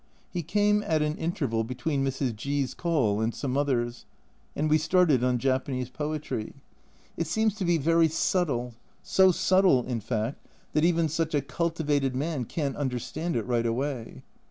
He came at an interval between Mrs. G 's call and some others, and we started on Japanese poetry. It seems to be very subtle, so subtle, in fact, that even such a cultivated man can't understand it right away.